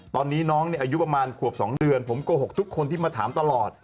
ตอนนี้น้องอายุประมาณขวบ๒เดือนผมโกหกทุกคนที่มาถามตลอด